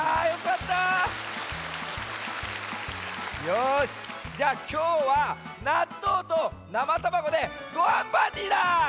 よしじゃあきょうはなっとうとなまたまごでごはんパーティーだ！